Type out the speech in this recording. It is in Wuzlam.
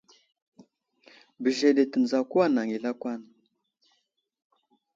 Bəzeɗe tətsago anaŋ i lakwan.